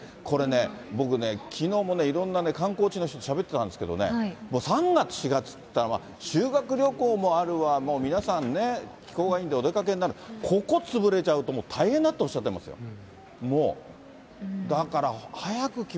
これね、僕ね、きのうもいろんな観光地の人としゃべってたんですけどね、もう３月、４月っていったら、修学旅行もあるわ、もう皆さんね、気候がいいんで、お出かけになる、ここ潰れちゃうともう大変だっておっしゃってますよ。